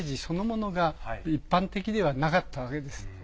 そのものが一般的ではなかったわけです。